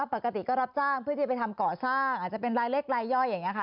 ปกติก็รับจ้างเพื่อที่จะไปทำก่อสร้างอาจจะเป็นรายเล็กรายย่อยอย่างนี้ค่ะ